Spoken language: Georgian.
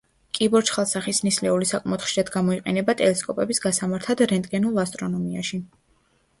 კიბორჩხალსახის ნისლეული საკმაოდ ხშირად გამოიყენება ტელესკოპების გასამართად რენტგენულ ასტრონომიაში.